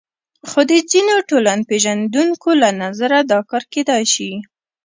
خو د ځینو ټولنپېژندونکو له نظره دا کار کېدای شي.